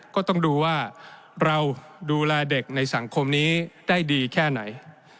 ก็ต้องดูว่าเราดูแลเด็กในสังคมนี้ได้ดีแค่ไหน